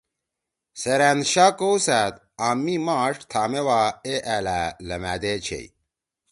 سیرأن شا کؤسأد آں مِی ماݜ تھامے وا اے ألأ لھمأدے چھیئی۔